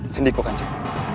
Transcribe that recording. sendiko kan cik